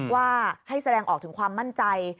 ว่าให้แสดงออกถึงความมั่นใจ